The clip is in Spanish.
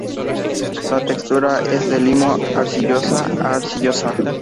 La textura es de limo-arcillosa a arcillosa.